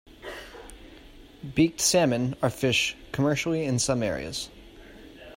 Beaked salmon are fished commercially in some areas.